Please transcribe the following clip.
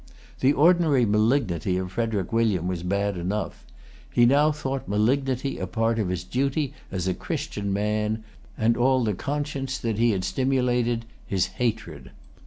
The ordinary malignity of Frederic William was bad enough. He now thought malignity a part of his duty as a Christian man,[Pg 249] and all the conscience that he had stimulated his hatred.